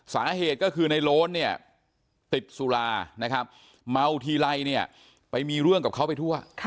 เพราะเหตุก็คือในโรร้นติดสุราเมาทีไล่ไปมีเรื่องกับเขาไปทั่ว